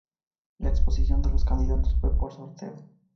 La exposición de los candidatos fue por sorteo.